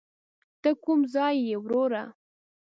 ته کوم ځای یې وروره.